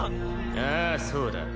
ああそうだ。